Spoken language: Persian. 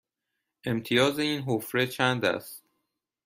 امتیاز این حفره چند است؟